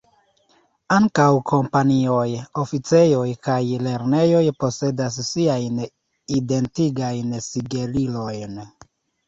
Ankaŭ kompanioj, oficejoj kaj lernejoj posedas siajn identigajn sigelilojn.